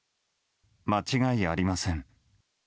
間違いありません。